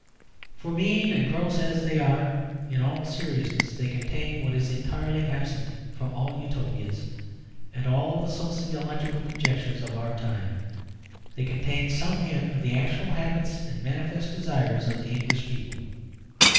For, mean and gross as they are, in all seriousness, they contain what is entirely absent from all Utopias and all the sociological conjectures of our time: they contain some hint of the actual habits and manifest desires of the English people.